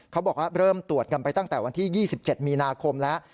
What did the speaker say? เขาบอกว่าเริ่มตรวจกันไปตั้งแต่วันที่๒๗มีนาคมแล้ว